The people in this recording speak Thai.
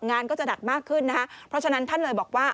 งานก็จะหนักมากขึ้นนะคะเพราะฉะนั้นท่านเลยบอกว่า